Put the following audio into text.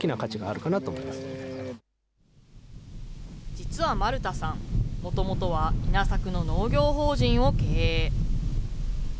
実は丸田さん、もともとは稲作の農業法人を経営。